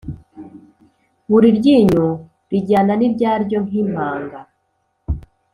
buri ryinyo rijyana n’iryaryo nk’impanga,